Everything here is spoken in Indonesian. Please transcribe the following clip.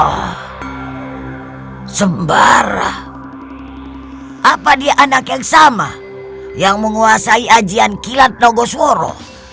ah sembarah apa dia anak yang sama yang menguasai ajian kilat nogoswara